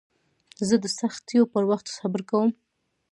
زه د سختیو پر وخت صبر کوم.